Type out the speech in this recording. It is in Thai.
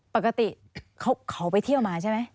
ปกติเขาไปเที่ยวมาใช่ไหม